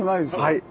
はい。